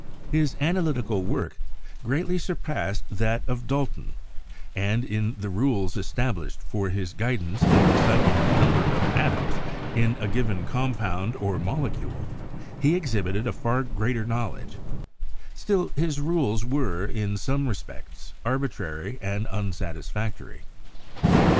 His analytical work greatly surpassed that of Dalton, and in the rules established for his guidance in deciding the num ber of atoms in a given compound or molecule, he exhib ited a greater knowledge ; still, his rules were, in some re spects, arbitrary and unsatisfactory.